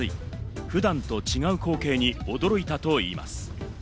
普段と違う光景に驚いたといいます。